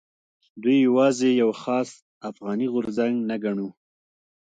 دوی یوازې یو خاص افغاني غورځنګ نه ګڼو.